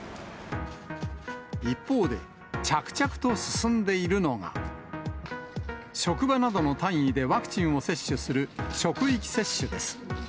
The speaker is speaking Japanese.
一方で、着々と進んでいるのが、職場などの単位でワクチンを接種する職域接種です。